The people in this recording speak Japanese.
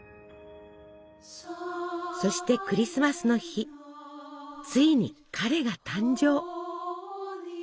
そしてクリスマスの日ついに「彼」が誕生！